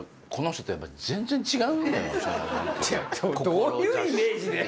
どういうイメージで。